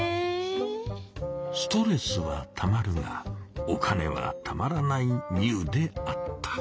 ストレスはたまるがお金はたまらないミウであった。